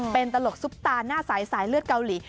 เป็นตลกซุปตาหน้าสายสายเลือดเกาหลี